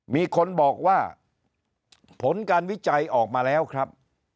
มีคนบอกว่าผลการวิจัยออกมาแล้วครับ